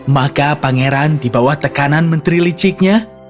maka pangeran dibawah tekanan menteri liciknya